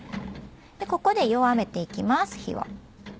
ここで弱めていきます火を。